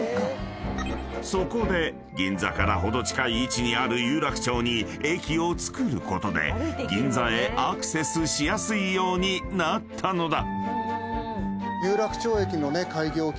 ［そこで銀座から程近い位置にある有楽町に駅を造ることで銀座へアクセスしやすいようになったのだ］